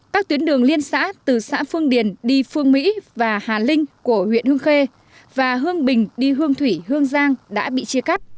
các tuyến đường liên xã từ xã phương điền đi phương mỹ và hà linh của huyện hương khê và hương bình đi hương thủy hương giang đã bị chia cắt